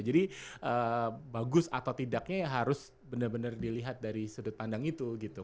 jadi bagus atau tidaknya ya harus bener bener dilihat dari sudut pandang itu gitu